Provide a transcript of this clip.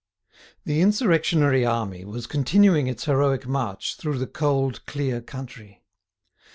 The insurrectionary army was continuing its heroic march through the cold, clear country.